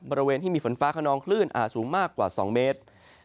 บริเวณที่มีฝนฟ้าขนองคลื่นอาจสูงมากกว่า๒เมตร